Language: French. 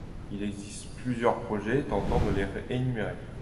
Il existe plusieurs projets tentant de les énumérer.